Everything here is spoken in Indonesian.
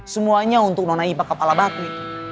semuanya untuk nona ipa kepala batu